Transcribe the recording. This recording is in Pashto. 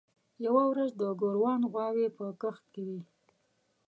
یوه ورځ د ګوروان غواوې په کښت کې وې.